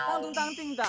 aku juga nggak tau